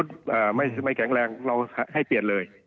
อ่าไม่แข็งแรงเราให้เปลี่ยนเลย